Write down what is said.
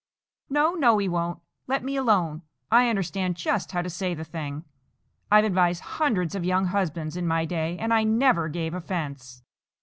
"No, no, he won't. Let me alone. I understand just how to say the thing. I've advised hundreds of young husbands in my day, and I never gave offence."